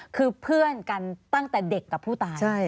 คือเพื่อนกันตั้งแต่เด็กกับผู้ตาย